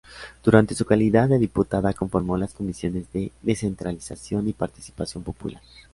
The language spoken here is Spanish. Durante su calidad de diputada conformó las comisiones de descentralización y participación popular.